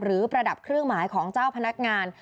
ประดับเครื่องหมายของเจ้าพนักงาน